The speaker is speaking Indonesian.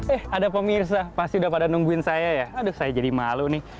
eh ada pemirsa pasti udah pada nungguin saya ya aduh saya jadi malu nih